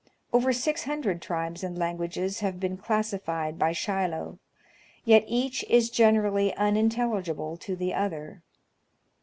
Over six hundred tribes and languages have been clas sified by Shilo, yet each is generally unintelligible to the other.